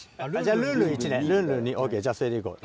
ルンルン１ねルンルン２ＯＫじゃあそれでいこう。